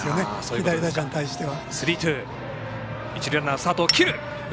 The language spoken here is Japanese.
左打者に対しては。